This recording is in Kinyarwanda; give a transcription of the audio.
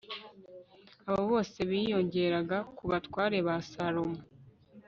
abo bose biyongeraga ku batware ba salomo